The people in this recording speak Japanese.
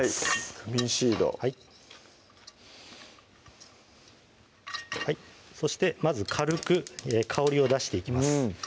クミンシードそしてまず軽く香りを出していきます